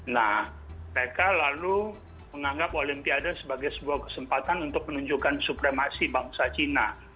nah mereka lalu menganggap olimpiade sebagai sebuah kesempatan untuk menunjukkan supremasi bangsa cina